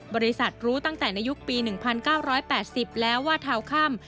บริษัทรู้ตั้งแต่ในยุคปี๑๙๘๐แล้วว่าทาวค่ำ